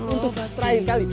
untuk terakhir kali